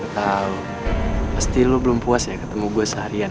tahu pasti lo belum puas ya ketemu gue seharian